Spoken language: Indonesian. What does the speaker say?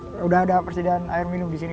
iya betul ada persediaan air minum disini